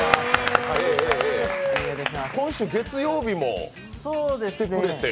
今週月曜日も来てくれて。